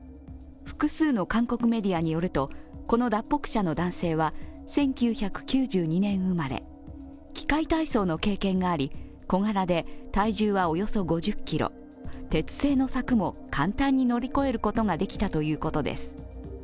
複数の韓国メディアによるとこの脱北者の男性は１９９２年生まれ器械体操の経験があり、小柄で体重はおよそ５０ｋｇ、鉄製の柵も簡単に乗り越えることができたということです。